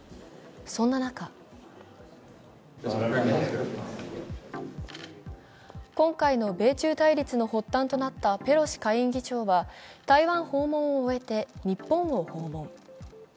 そんな中今回の米中対立の発端となったペロシ下院議長は台湾訪問を終えて、日本を訪問。